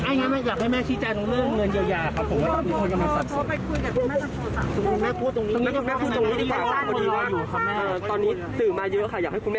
อีกร้านนี้คือเราตกลงกันเรียบร้อยแล้ว